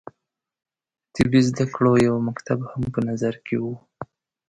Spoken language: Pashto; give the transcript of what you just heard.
طبي زده کړو یو مکتب هم په نظر کې وو.